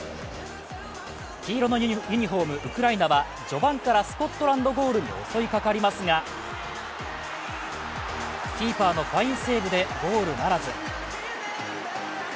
黄色のユニフォーム、ウクライナは序盤からスコットランドゴールに襲いかかりますが、キーパーのファインセーブでゴールならず。